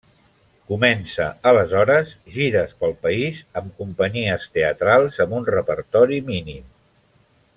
Comença, aleshores, gires pel país amb companyies teatrals amb un repertori mínim.